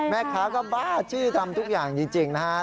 แม่ค้าก็บ้าจี้ทำทุกอย่างจริงนะฮะ